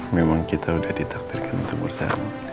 memang kita sudah ditaktirkan untuk bersama